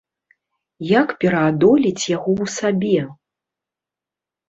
Як пераадолець яго ў сабе?